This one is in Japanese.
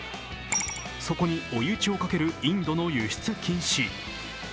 そこに追い打ちをかけるインドの輸出禁止。